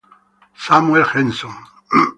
Samuel Henson